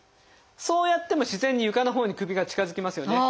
そうやっても自然に床のほうに首が近づきますよね。